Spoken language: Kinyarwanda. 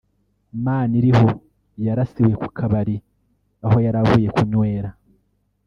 Maniriho yarasiwe ku kabari aho yari avuye kunywera